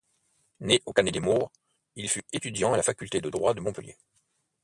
Né au Cannet-des-Maures, il fut étudiant à la Faculté de droit de Montpellier.